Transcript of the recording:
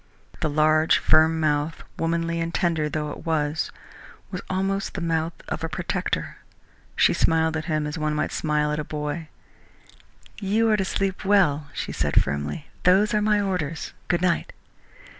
The large, firm mouth, womanly and tender though it was, was almost the mouth of a protector. She smiled at him as one might smile at a boy. "You are to sleep well," she said firmly. "Those are my orders. Good night!"